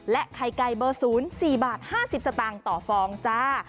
ไข่ไก่เบอร์๐๔บาท๕๐สตางค์ต่อฟองจ้า